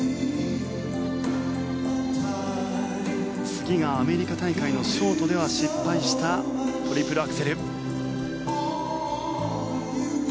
次がアメリカ大会のショートでは失敗したトリプルアクセル。